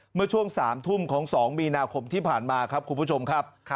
เมื่อช่วง๓ทุ่มของ๒มีนาคมที่ผ่านมาครับคุณผู้ชมครับ